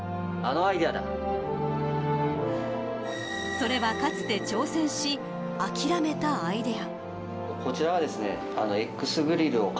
それはかつて挑戦し諦めたアイデア。